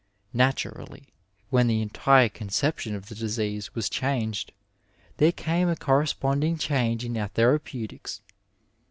Naturally, when the entire conception of the disease was changed, there came a corresponding change in our therapeutics.